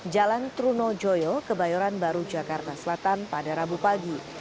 jalan trunojoyo kebayoran baru jakarta selatan pada rabu pagi